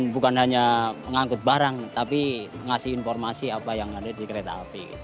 bukan hanya mengangkut barang tapi ngasih informasi apa yang ada di kereta api